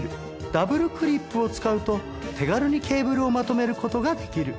ダブルクリップを使うと手軽にケーブルをまとめる事ができる。